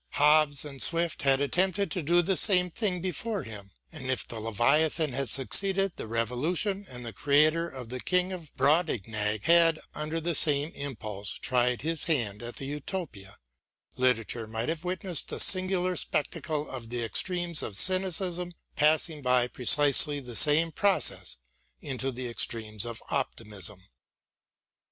Hobbes and Swift had attempted to do the same thing before him, and if the " Leviathan " had succeeded the ' Bk. VIII, 9. t "Macbeth," iii. 4. MARY WOLLSTONECRAFT 89 Revolution and the creator of the King of Brobdingnag had, under the same impulse, tried his hand at a Utopia, Literature might have witnessed the singular spectacle of the extremes of cynicism passing by precisely the same process into the extremes of optimism.